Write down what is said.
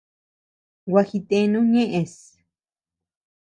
Gua jitenu ñeʼes.